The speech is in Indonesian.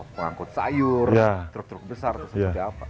mengangkut sayur truk truk besar atau seperti apa